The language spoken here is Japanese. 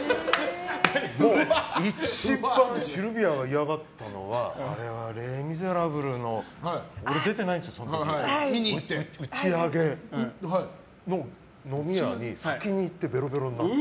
もう一番シルビアが嫌がったのはあれは「レ・ミゼラブル」の俺、出てないんですけど打ち上げの飲み屋に先に行って、べろべろになって。